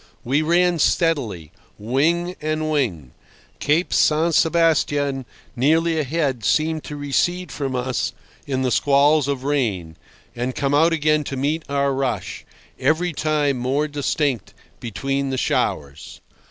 We ran steadily, wing and wing. Cape San Sebastian nearly ahead seemed to recede from us in the squalls of rain, and come out again to meet our rush, every time more distinct between the showers.